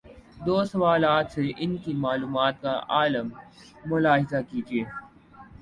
دو سوالات سے ان کی معلومات کا عالم ملاحظہ کیجیے۔